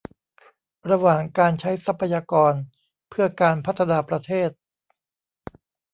ระหว่างการใช้ทรัพยากรเพื่อการพัฒนาประเทศ